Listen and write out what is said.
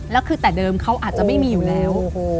แล้วคือแต่เดิมเขาอาจจะไม่มีอยู่แล้ว